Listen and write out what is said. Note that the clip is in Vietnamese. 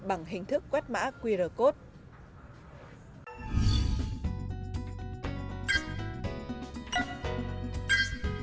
bằng hình thức quét mã qr code